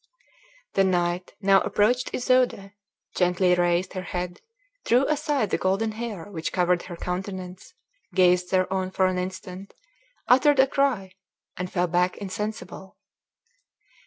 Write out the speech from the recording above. The knight now approached Isoude, gently raised her head, drew aside the golden hair which covered her countenance, gazed thereon for an instant, uttered a cry, and fell back insensible.